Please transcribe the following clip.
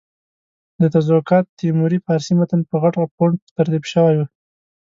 د تزوکات تیموري فارسي متن په غټ فونټ ترتیب شوی.